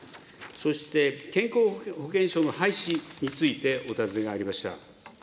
そして健康保険証の廃止についてお尋ねがありました。